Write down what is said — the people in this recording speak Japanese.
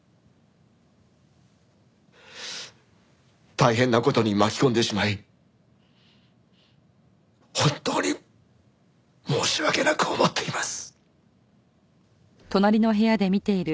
大変な事に巻き込んでしまい本当に申し訳なく思っています。